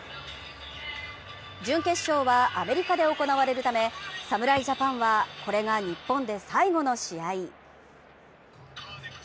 準決勝はアメリカで行われるためこれが日本で最後の試合。